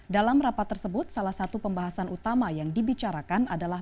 dalam rapat tersebut salah satu pembahasan utama yang dibicarakan adalah